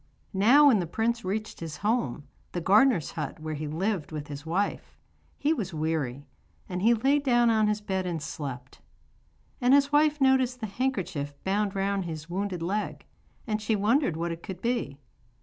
Now when the prince reached his home the gardener's hut where he lived with his wife he was weary, and he lay down on his bed and slept. And his wife noticed the handkerchief bound round his wounded leg, and she wondered what it could be.